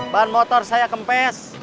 bahan motor saya kempes